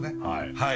はい。